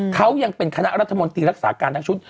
เขายังเป็นคณะรัฐมนตรีรักษาการทั้งชุด